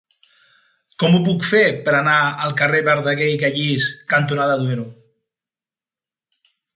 Com ho puc fer per anar al carrer Verdaguer i Callís cantonada Duero?